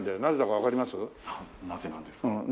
なぜなんですか？